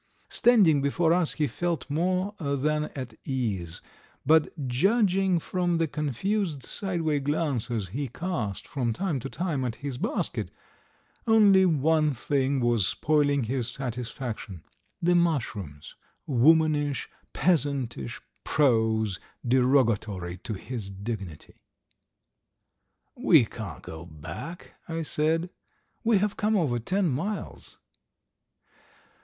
Standing before us he felt more than at ease, but judging from the confused sideway glances he cast from time to time at his basket, only one thing was spoiling his satisfaction the mushrooms, womanish, peasantish, prose, derogatory to his dignity. "We can't go back!" I said. "We have come over ten miles!"